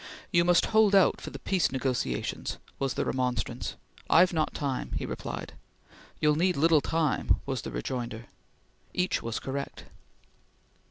"You must hold out for the peace negotiations," was the remonstrance. "I've not time!" he replied. "You'll need little time!" was the rejoinder. Each was correct.